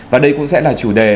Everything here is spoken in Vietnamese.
và đây cũng sẽ là chủ đề